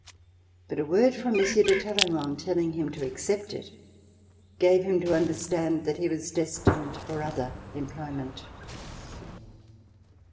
But a word from Monsieur de Talleyrand, telling him to accept it, gave him to understand that he was destined for other employment.